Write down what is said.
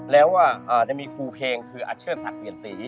แล้วจะมีครูเพลงคืออาเชื่อร์สัตว์เวียนศรี